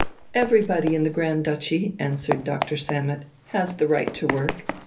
"Everybody in the Grand Duchy," answered Dr. Sammet, "has the right to work."